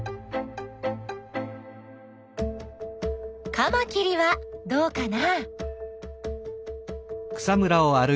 カマキリはどうかな？